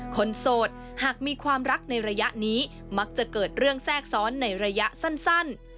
โสดหากมีความรักในระยะนี้มักจะเกิดเรื่องแทรกซ้อนในระยะสั้น